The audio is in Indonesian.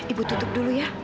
ibu tutup dulu ya